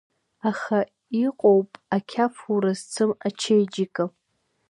Аха иҟахуп ақьафура зцым ачеиџьыка.